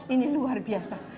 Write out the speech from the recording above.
ini luar biasa